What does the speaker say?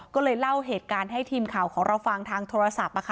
ก็เลยเล่าเหตุการณ์ให้ทีมข่าวของเราฟังทางโทรศัพท์